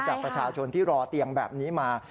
จากประชาชนที่รอเตียงแบบนี้มา